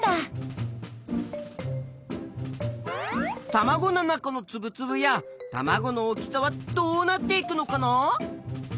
たまごの中のつぶつぶやたまごの大きさはどうなっていくのかな。